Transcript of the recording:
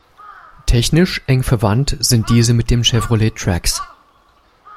Technisch eng verwandt sind diese mit dem Chevrolet Trax.